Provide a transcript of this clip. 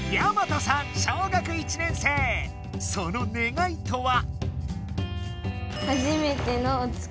その願いとは？